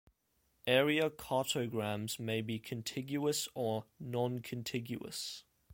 Area cartograms may be contiguous or noncontiguous.